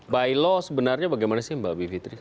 ba'ilo sebenarnya bagaimana sih mbak bivitri